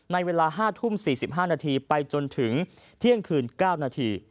ในเวลา๕ทุ่ม๔๕นาทีไปจนถึงเที่ยงคืน๙นาที